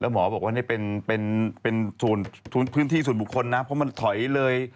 เสาไฟฟ้ามาคือก็ต้องนับเป็นพื้นที่ของทางนั้นก็ได้เลย